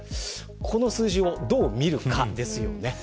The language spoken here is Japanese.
この数字をどう見るかです。